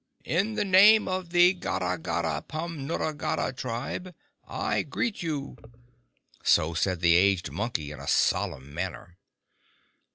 In the name of the Garra garra pom nutta garra Tribe, I greet you!" So said the aged Monkey, in a solemn manner.